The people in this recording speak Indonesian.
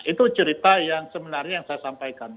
itu cerita yang sebenarnya yang saya sampaikan